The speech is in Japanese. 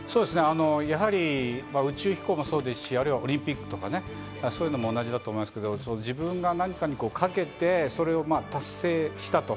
やはり宇宙飛行もそうですし、オリンピックとかね、そういうのも同じだと思いますけど、自分が何かにかけて、それを達成したと。